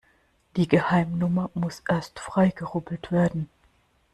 Die Geheimnummer muss erst freigerubbelt werden.